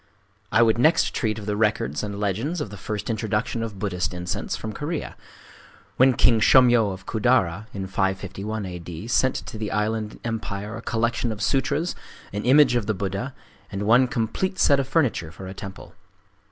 I would next treat of the records and legends of the first introduction of Buddhist incense from Korea,—when King Shōmyō of Kudara, in 551 A. D., sent to the island empire a collection of sutras, an image of the Buddha, and one complete set of furniture for a temple.